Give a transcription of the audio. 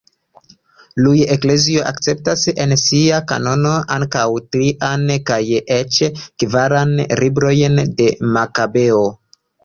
Iuj eklezioj akceptas en sia kanono ankaŭ trian kaj eĉ kvaran librojn de Makabeoj.